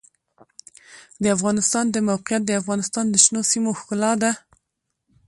د افغانستان د موقعیت د افغانستان د شنو سیمو ښکلا ده.